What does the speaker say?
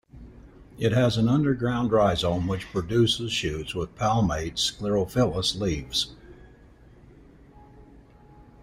It has an underground rhizome which produces shoots with palmate, sclerophyllous leaves.